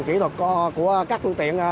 kỹ thuật của các phương tiện